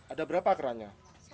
ada berapa kerahnya